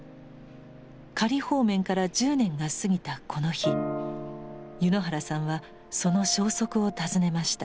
仮放免から１０年が過ぎたこの日柚之原さんはその消息を訪ねました。